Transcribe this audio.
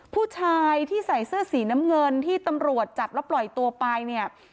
ผู้ชายที่ใส่เสื้อสีน้ำเงินที่ตำรวจจับแล้วปล่อยตัวไปเนี่ย